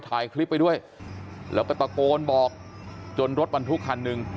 ถ่ายคลิปไปด้วยแล้วก็ตะโกนบอกจนรถบรรทุกคันหนึ่ง